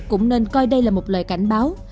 cũng nên coi đây là một lời cảnh báo